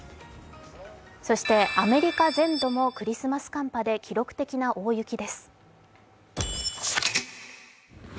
そしてアメリカ全土もクリスマス寒波で記録的な大雪です。